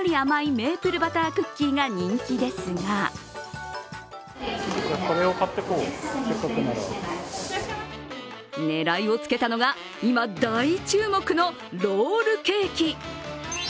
メープルバタークッキーが人気ですが狙いをつけたのが、今大注目のロールケーキ。